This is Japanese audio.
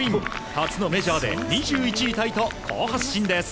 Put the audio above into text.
初のメジャーで２１位タイと好発進です。